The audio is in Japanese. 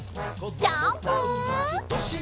ジャンプ！